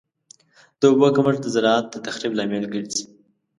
د اوبو کمښت د زراعت د تخریب لامل ګرځي.